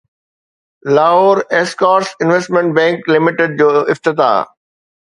Lahore Escorts investment bank limited جو افتتاح